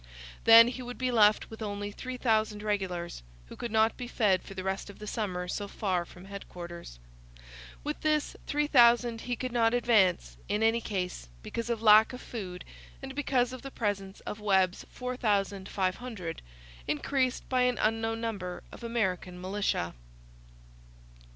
Then he would be left with only 3,000 regulars, who could not be fed for the rest of the summer so far from headquarters. With this 3,000 he could not advance, in any case, because of lack of food and because of the presence of Webb's 4,500, increased by an unknown number of American militia.